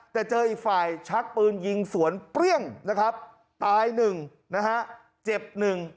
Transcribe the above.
แต่เจออีกฝ่ายชักปืนยิงสวนเปรี้ยงตายหนึ่งเจ็บหนึ่ง